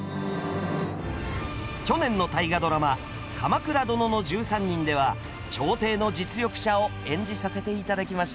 去年の大河ドラマ「鎌倉殿の１３人」では朝廷の実力者を演じさせて頂きました。